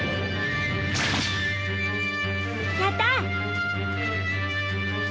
やった！